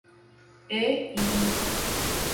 E: "ibid.